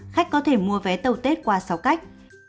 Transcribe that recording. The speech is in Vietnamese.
khách có thể mua vé tàu tết qua sáu cách